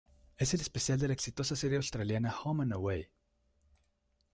Es el primer especial de la exitosa serie australiana "Home and Away".